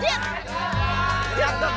tidak tidak tidak